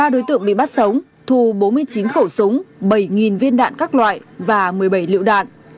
ba đối tượng bị bắt sống thu bốn mươi chín khẩu súng bảy viên đạn các loại và một mươi bảy lựu đạn